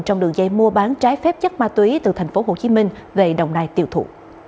trong đường dây mua bán trái phép chất ma túy từ tp hcm về đồng nai tiêu thụ